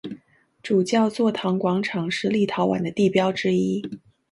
主教座堂广场是立陶宛的地标之一。